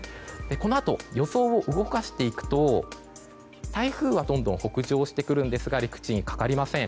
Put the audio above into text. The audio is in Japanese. このあと、予想を動かしていくと台風はどんどん北上してくるんですが陸地にかかりません。